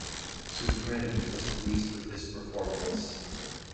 Suffren was pleased with his performance.